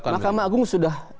makam agung sudah